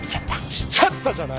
「来ちゃった」じゃない！